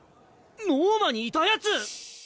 ノーマにいたヤツ！